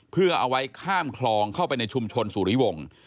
เพื่อเอาไว้ข้ามคลองเข้าไปในชุมชนสุริวงศ์